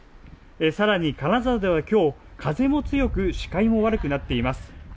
さらに金沢ではきょう、風も強く、視界も悪くなっています。